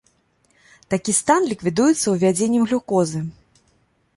Такі стан ліквідуецца увядзеннем глюкозы.